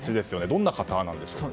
どんな方なんでしょう？